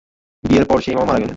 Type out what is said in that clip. বিয়ের পর সেই মামা মারা গেলেন।